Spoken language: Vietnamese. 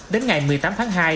đến ngày một mươi tám tháng hai